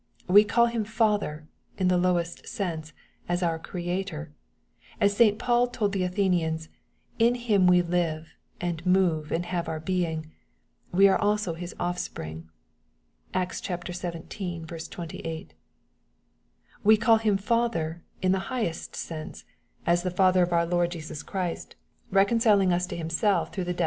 We call Him Father, in the lowest sense, as our Creator ; as St. Paul told the Athenians, " in him we live, and move, and have our being — ^we are also his offspring.*' (Acts xvii 28.) We call Him Father in the highest sense, as the Father of our Lord Jesus Christ, reconciling us to Him MATTHEW, OHAP.